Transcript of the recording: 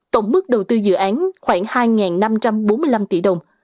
tổng mức đầu tư dự án khoảng hai năm trăm bốn mươi năm tỷ đồng